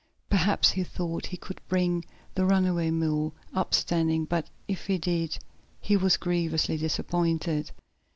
Perhaps he thought he could bring the runaway mule up standing, but, if he did, he was grievously disappointed.